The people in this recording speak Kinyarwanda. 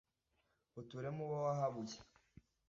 uture mu bo wahabuye